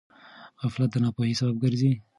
غفلت د ناپوهۍ سبب ګرځي.